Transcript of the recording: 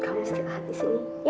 kamu istirahat di sini